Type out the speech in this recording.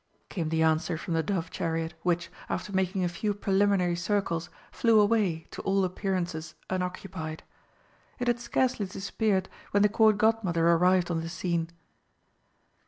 came the answer from the dove chariot, which, after making a few preliminary circles, flew away, to all appearances unoccupied. It had scarcely disappeared when the Court Godmother arrived on the scene.